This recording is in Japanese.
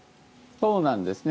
そうなんですね。